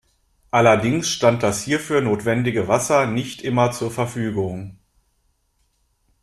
Allerdings stand das hierfür notwendige Wasser nicht immer zur Verfügung.